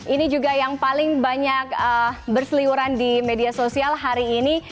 ini juga yang paling banyak berseliuran di media sosial hari ini